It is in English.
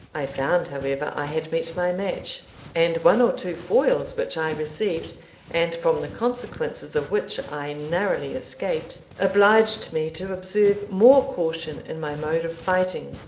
I found, however, I had met my match; and one or two foils which I received, and from the consequences of which I narrowly escaped, obliged me to observe more caution in my mode of fighting.